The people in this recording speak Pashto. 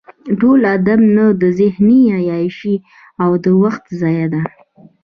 ټول ادب نه ذهني عیاشي او د وخت ضایع ده.